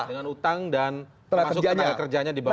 dengan utang dan termasuk tenaga kerjanya di bawah